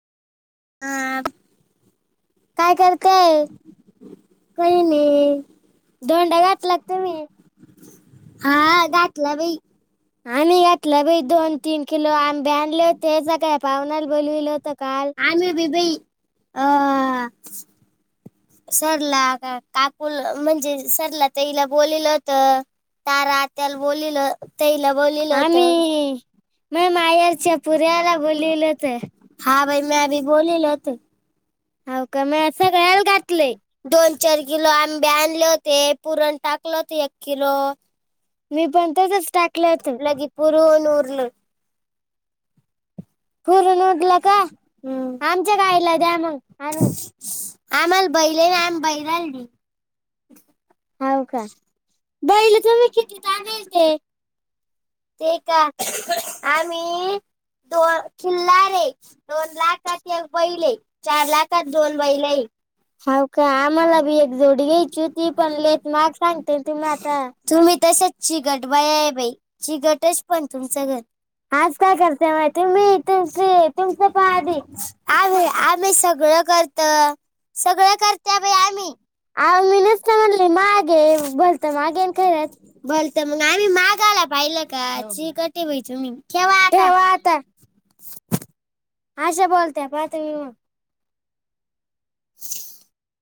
काय करतेय? काय नाही. धोंडा घातला का तुम्ही? हा घातलं बाई. आणि यातलं बी दोन तीन किलो आंबे आणले होते, सगळ्या पावन्याल बोलिवल होतं आम्ही बी बाई आ सरला का काकूल म्हणजे सरला ताईला बोलील होत. त्या रातच्याला बोलील. तईला बोलीवल होत. हा भाई म्या भी बोलील होते. हव का म्या सगळ्याला घातलंय. दोन चार किलो आंबे आणले होते पुरण टाकलं होत एक किलो. मी पण त्याचंच टाकलं होतं [unintelligible] पुरून उरलं. फीरून उठलं का आमच्या गाईला द्या मग आणून. आम्हाला बैले नाही आमी बैल हाऊ का बैल तुमही किती दा नेलते. ते का आम्ही दोन खील्लार आहे दोन लाखात एक बैले चार लाखात दोन बैले हे. [unintelligible] तुम्ही तसेच चिगट बाय आहे बाई चिगटच पण तुमचं घर आज काय करते म तुम्ही तुमचे, तुमच का आधी आम्ही, आम्ही सगळं करत सगळं करत बाई आम्ही [unintelligible] त म आम्ही मागाला पाहिलं का चिकटे वयची मी ठेवा आता आशा बोलते पातवी हून [unintelligible]